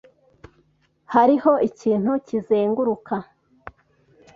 Hariho ikintu kizenguruka.